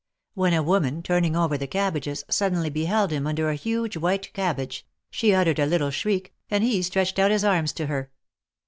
When a woman, turning over the cabbages, suddenly beheld him under a huge white cabbage, she uttered a little shriek, and he stretched out his arms to her.